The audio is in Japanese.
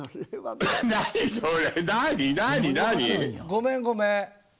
ごめん、ごめん。